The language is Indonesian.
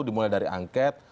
dimulai dari angket